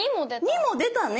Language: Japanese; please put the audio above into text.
２も出たね。